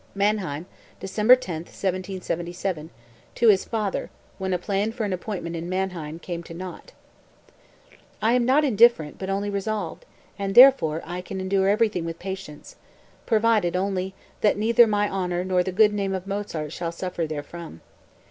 (Mannheim, December 10, 1777, to his father, when a plan for an appointment in Mannheim came to naught.) 203. "I am not indifferent but only resolved, and therefore, I can endure everything with patience, provided, only, that neither my honor nor the good name of Mozart shall suffer therefrom.